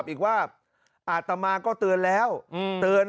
มีพฤติกรรมเสพเมถุนกัน